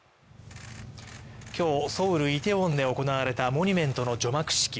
きょうソウルイテウォンで行われたモニュメントの除幕式